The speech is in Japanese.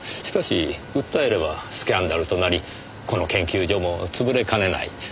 しかし訴えればスキャンダルとなりこの研究所も潰れかねない。